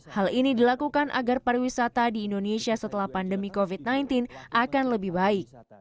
hal ini dilakukan agar pariwisata di indonesia setelah pandemi covid sembilan belas akan lebih baik